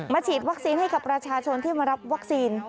ฉีดวัคซีนให้กับประชาชนที่มารับวัคซีน